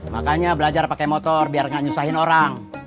makanya belajar pakai motor biar gak nyusahin orang